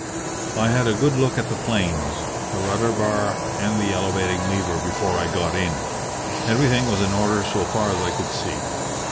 "I had a good look at the planes, the rudder bar, and the elevating lever before I got in. Everything was in order so far as I could see.